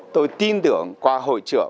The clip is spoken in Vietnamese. tôi tin tưởng qua hội trưởng